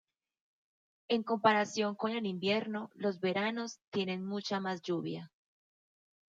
En comparación con el invierno, los veranos tienen mucha más lluvia.